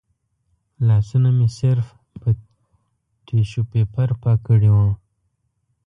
لاسونه مې صرف په ټیشو پیپر پاک کړي و.